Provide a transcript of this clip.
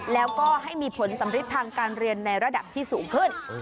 แล้วก็ให้มีผลสำริดทางการเรียนในระดับที่สูงขึ้น